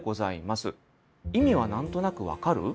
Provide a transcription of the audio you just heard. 意味は何となく分かる？